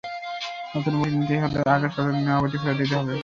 নতুন বইটি নিতে হলে আগের সপ্তাহে নেওয়া বইটি ফেরত দিতে হবে।